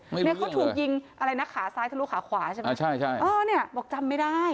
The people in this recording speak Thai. นี่เขาถูกยิงอะไรนะขาซ้ายทะลุขาขวาใช่ไหมบอกจำไม่ได้